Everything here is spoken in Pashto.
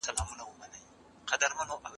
خلګو د خپلو تېروتنو د سمولو هڅه کوله.